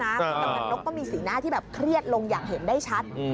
กำนันนกก็มีสีหน้าที่แบบเครียดลงอย่างเห็นได้ชัด